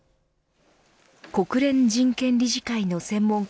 国連人権理事会の専門家